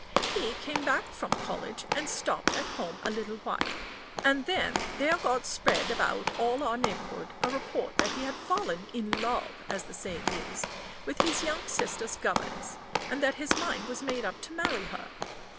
He came back from college, and stopped at home a little while, and then there got spread about all our neighborhood a report that he had fallen in love, as the saying is, with his young sister's governess, and that his mind was made up to marry her.